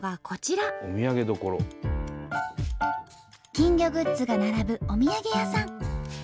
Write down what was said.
金魚グッズが並ぶお土産屋さん。